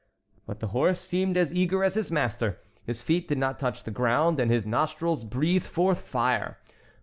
But the horse seemed as eager as his master. His feet did not touch the ground, and his nostrils breathed forth fire.